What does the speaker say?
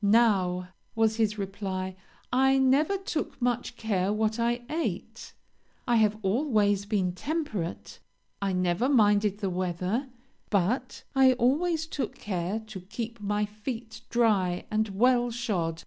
'Now,' was his reply, 'I never took much care what I ate; I have always been temperate. I never minded the weather; but I always took care to keep my feet dry and well shod.'